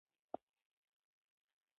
له غلې- دانو ډوډۍ وینه ورو لوړوي.